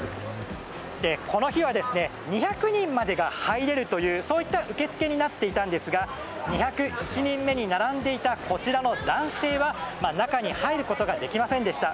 この日は、２００人までが入れるという受け付けになっていたんですが２０１人目に並んでいたこちらの男性は中に入ることができませんでした。